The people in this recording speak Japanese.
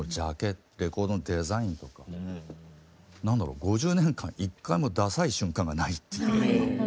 レコードのデザインとか何だろう５０年間一回もダサい瞬間がないっていう。